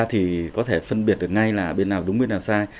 thì có thể phân biệt được ngay là bên nào đúng bên làm sai